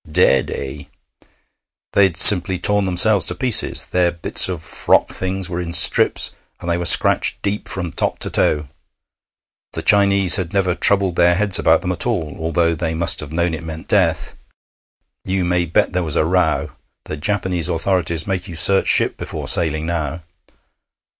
'Dead, eh?' 'They'd simply torn themselves to pieces. Their bits of frock things were in strips, and they were scratched deep from top to toe. The Chinese had never troubled their heads about them at all, although they must have known it meant death. You may bet there was a row. The Japanese authorities make you search ship before sailing, now.'